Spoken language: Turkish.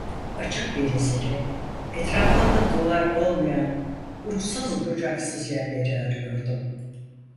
Açık denizleri, etrafında duvar olmayan, uçsuz bucaksız yerleri arıyordum.